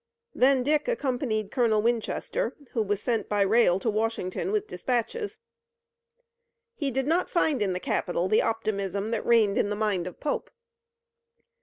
Then Dick accompanied Colonel Winchester, who was sent by rail to Washington with dispatches. He did not find in the capital the optimism that reigned in the mind of Pope.